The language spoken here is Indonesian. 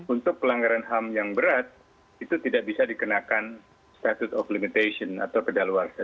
untuk pelanggaran ham yang berat itu tidak bisa dikenakan statute of limitation atau keadaan luar sah